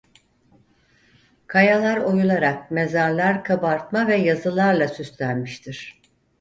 Kayalar oyularak mezarlar kabartma ve yazılarla süslenmiştir.